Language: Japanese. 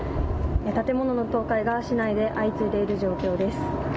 建物の倒壊が市内で相次いでいる状況です。